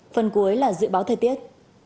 phần cuối là dự báo thời tiết